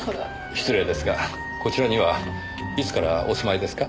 失礼ですがこちらにはいつからお住まいですか？